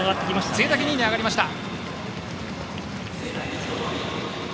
潰滝が２位に上がりました。